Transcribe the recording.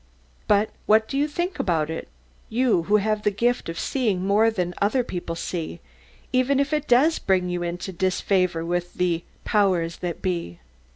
"But what do you think about it you, who have the gift of seeing more than other people see, even if it does bring you into disfavour with the Powers that Be?"